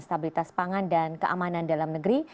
stabilitas pangan dan keamanan dalam negeri